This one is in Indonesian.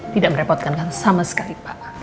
tidak merepotkan kan sama sekali pak